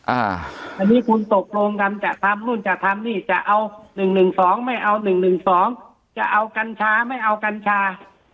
อันนี้คุณตกลงกันจะทำนู่นจะทำนี่จะเอา๑๑๒ไม่เอา๑๑๒จะเอากัญชาไม่เอากัญชา